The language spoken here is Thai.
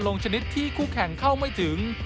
ชนิดที่คู่แข่งเข้าไม่ถึง